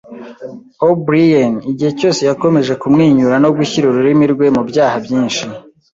O'Brien. Igihe cyose yakomeje kumwenyura no gushyira ururimi rwe mubyaha byinshi,